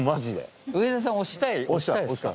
上田さん押したいっすか？